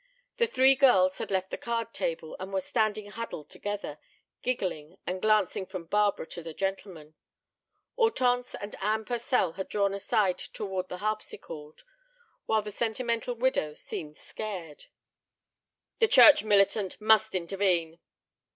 The three girls had left the card table, and were standing huddled together, giggling and glancing from Barbara to the gentlemen. Hortense and Anne Purcell had drawn aside toward the harpsichord, while the sentimental widow seemed scared. "The church militant must intervene!"